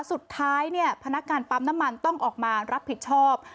สุดท้ายเนี่ยพนักงานปั๊มน้ำมันต้องออกมารับผิดชอบ